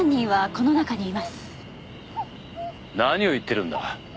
何を言ってるんだ？